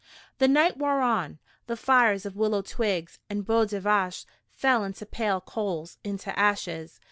The night wore on. The fires of willow twigs and bois des vaches fell into pale coals, into ashes.